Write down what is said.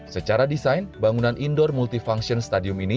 secara desain bangunan indoor multifunction stadium ini